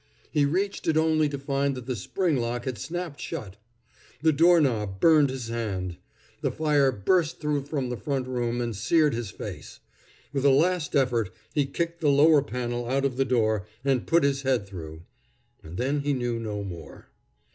He reached it only to find that the spring lock had snapped shut. The door knob burned his hand. The fire burst through from the front room, and seared his face. With a last effort, he kicked the lower panel out of the door, and put his head through. And then he knew no more.